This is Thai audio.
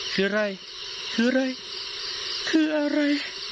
คืออะไรคืออะไรคืออะไร